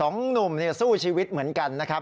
สองหนุ่มสู้ชีวิตเหมือนกันนะครับ